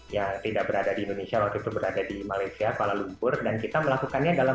yang tidak berada di indonesia waktu itu berada di malaysia kuala lumpur dan kita melakukannya dalam